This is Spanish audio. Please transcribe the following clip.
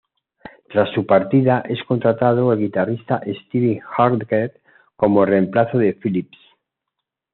Tras su partida es contratado el guitarrista Steve Hackett como el reemplazo de Phillips.